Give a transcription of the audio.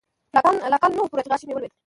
لا کال نه و پوره چې غاښ مې ولوېد.